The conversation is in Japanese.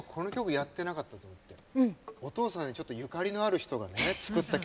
お父さんにちょっとゆかりのある人が作った曲。